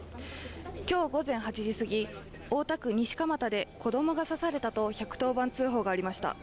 今日午前８時過ぎ、大田区西蒲田で子供が刺されたと１１０番通報がありました。